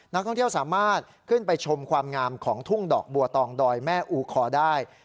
นักท่องเที่ยวสามารถขึ้นไปชมความงามของทุ่งดอกบัวตองดอยแม่อูคอได้